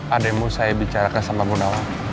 ademu saya bicarakan sama munawan